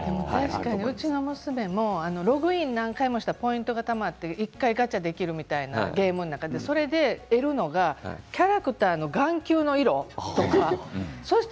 うちの娘もログイン何回かしてポイントがたまって１回ガチャができるというのがあってそこで出るのがキャラクターの眼球の色とか。